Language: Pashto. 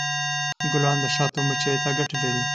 ګلان د شاتو مچیو ته ګټه لري.